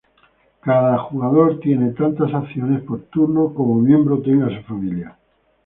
Cada jugador tiene tantas acciones por turno como miembros tenga su familia.